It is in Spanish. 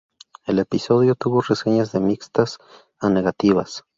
El episodio tuvo reseñas de mixtas a negativas.